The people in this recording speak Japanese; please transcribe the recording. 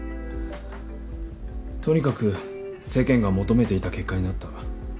とにかく世間が求めていた結果になった。